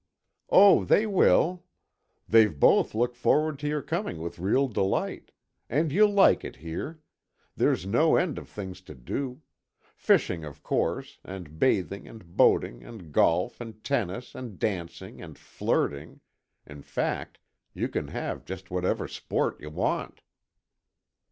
"Oh, they will. They've both looked forward to your coming with real delight. And you'll like it here. There's no end of things to do. Fishing of course, and bathing and boating and golf and tennis and dancing and flirting—in fact, you can have just whatever sport you want."